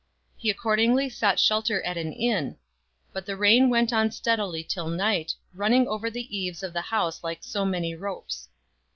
He accordingly sought shelter in an inn, but the rain went on steadily till night, running over the eaves of the house like so many ropes.